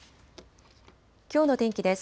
きょうの天気です。